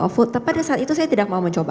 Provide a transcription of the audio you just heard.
food tapi pada saat itu saya tidak mau mencoba